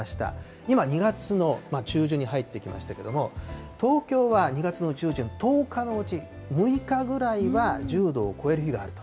今、２月の中旬に入ってきましたけど、東京は２月の中旬、１０日のうち６日ぐらいは１０度を超える日があると。